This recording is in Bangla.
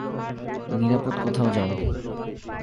নিরাপদ কোথাও যাও।